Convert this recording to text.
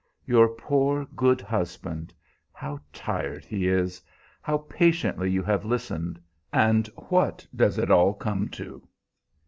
"Your poor, good husband how tired he is! How patiently you have listened, and what does it all come to?"